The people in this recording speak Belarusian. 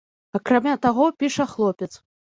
Акрамя таго, піша хлопец.